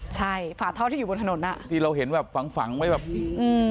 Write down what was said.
ใช่ฝาท่อที่อยู่บนถนนอ่ะที่เราเห็นแบบฝังฝังไว้แบบอืม